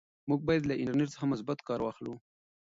موږ باید له انټرنیټ څخه مثبت کار واخلو.